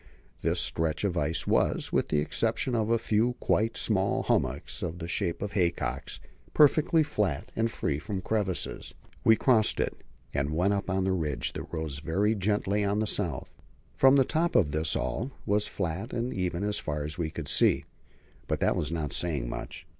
This stretch of ice was with the exception of a few quite small hummocks of the shape of haycocks perfectly flat and free from crevasses. We crossed it, and went up on the ridge that rose very gently on the south. From the top of this all was flat and even as far as we could see; but that was not saying much.